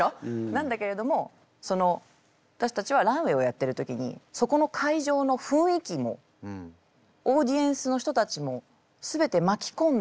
なんだけれども私たちはランウェイをやってる時にそこの会場の雰囲気もオーディエンスの人たちもすべて巻きこんでまとう。